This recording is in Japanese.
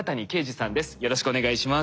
よろしくお願いします。